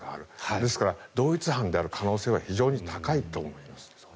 ですから、同一犯である可能性は非常に高いと思います。